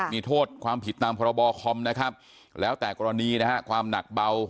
มีโทษความผิดตามพรบคอมนะครับแล้วแต่กรณีนะฮะความหนักเบา